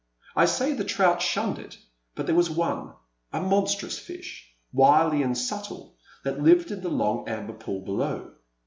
I say the trout shunned it, but there was one, a monstrous fish, wily and subtile, that lived in the long amber pool below.